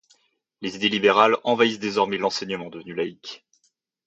Les idées libérales envahissent désormais l’enseignement devenu laïc.